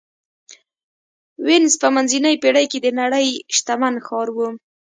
وینز په منځنۍ پېړۍ کې د نړۍ شتمن ښار و